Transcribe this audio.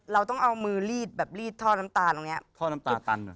เราต้องเอามือรีดแบบรีดท่อน้ำตาตรงเนี้ยท่อน้ำตาตันอ่ะ